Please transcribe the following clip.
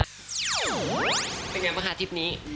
เป็นยังไหมค่ะชีวิตนี้